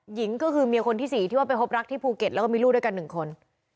หญิงก็คือเมียคนที่๔ที่ว่าไปพบรักที่ภูเก็ตแล้วก็มีลูกด้วยกัน๑คน